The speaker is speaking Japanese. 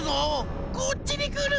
こっちにくる！